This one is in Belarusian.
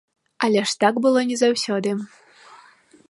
Але ж так было не заўсёды.